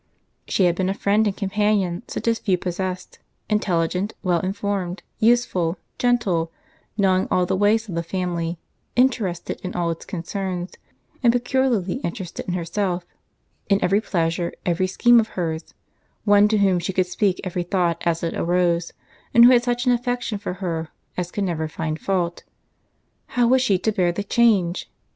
She had been a friend and companion such as few possessed: intelligent, well informed, useful, gentle, knowing all the ways of the family, interested in all its concerns, and peculiarly interested in herself, in every pleasure, every scheme of hers—one to whom she could speak every thought as it arose, and who had such an affection for her as could never find fault. How was she to bear the change?